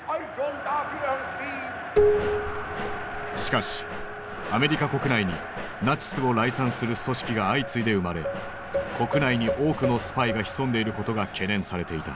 しかしアメリカ国内にナチスを礼賛する組織が相次いで生まれ国内に多くのスパイが潜んでいることが懸念されていた。